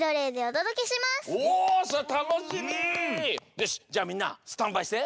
よしじゃあみんなスタンバイして。